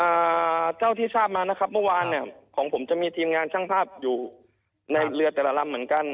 อ่าเท่าที่ทราบมานะครับเมื่อวานเนี้ยของผมจะมีทีมงานช่างภาพอยู่ในเรือแต่ละลำเหมือนกัน